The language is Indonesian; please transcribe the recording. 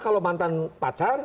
kalau mantan pacar